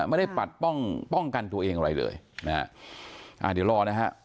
ปัดป้องป้องกันตัวเองอะไรเลยนะฮะอ่าเดี๋ยวรอนะฮะ